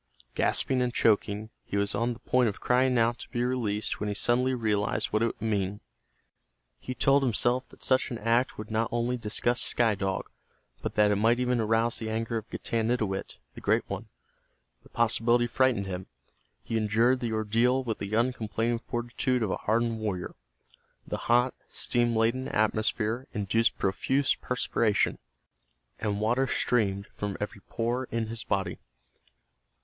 Gasping and choking, he was on the point of crying out to be released when he suddenly realized what it would mean. He told himself that such an act would not only disgust Sky Dog, but that it might even arouse the anger of Getanittowit, the Great One. The possibility frightened him. He endured the ordeal with the uncomplaining fortitude of a hardened warrior. The hot, steam laden atmosphere induced profuse perspiration, and water streamed from every pore in his body.